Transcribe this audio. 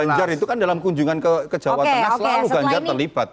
gajar itu kan dalam kunjungan ke jawa tengah selalu gajar terlipat